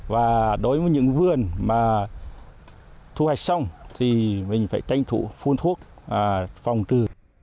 và đối với những vườn mà thu hoạch xong thì mình phải tranh thủ phun thuốc phòng trừ